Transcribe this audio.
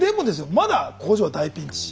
まだ工場は大ピンチ。